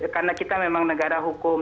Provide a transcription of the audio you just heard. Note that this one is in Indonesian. karena kita memang negara hukum